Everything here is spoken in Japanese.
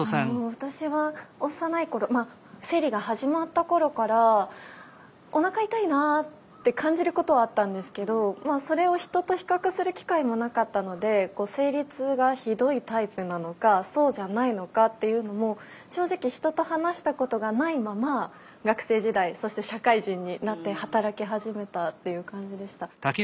私は幼い頃生理が始まった頃からおなか痛いなあって感じることはあったんですけどそれを人と比較する機会もなかったので生理痛がひどいタイプなのかそうじゃないのかっていうのも正直人と話したことがないまま学生時代そして社会人になって働き始めたっていう感じでした。